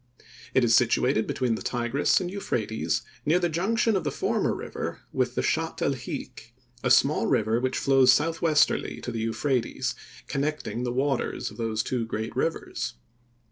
It is situated between the Tigris and Euphrates, near the junction of the former river with the Shat el Hic, a small river which flows southwesterly to the Euphrates, connecting the waters of these two great rivers.